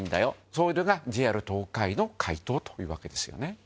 修ΔいΔ里ＪＲ東海の回答というわけですよね。